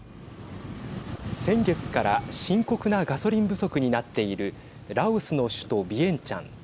先月から深刻なガソリン不足になっているラオスの首都ビエンチャン。